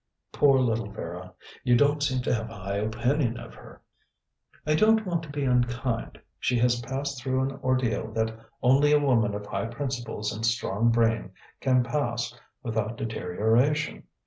"Poor little Vera. You don't seem to have a high opinion of her." "I don't want to be unkind. She has passed through an ordeal that only a woman of high principles and strong brain can pass without deterioration.